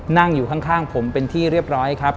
นั่งอยู่ข้างผมเป็นที่เรียบร้อยครับ